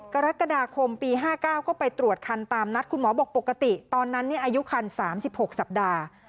กรกฎาคมปี๕๙ก็ไปตรวจคันตามนัดคุณหมอบอกปกติตอนนั้นอายุคัน๓๖สัปดาห์